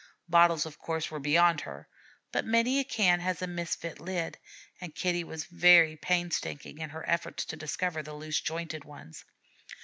Bottles, of course, were beyond her, but many a can has a misfit lid, and Kitty was very painstaking in her efforts to discover the loose jointed ones.